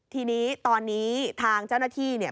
ทีนี้ตอนนี้ทางเจ้าหน้าที่เนี่ย